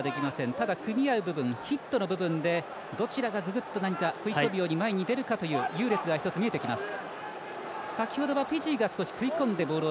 ただ、組み合う部分ヒットの部分でどちらがググッと何か、食い込む前に出るかという優劣が見えてきます。